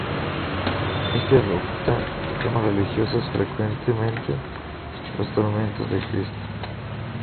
Éste adopta temas religiosos, frecuentemente los tormentos de Cristo.